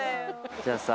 じゃあさ。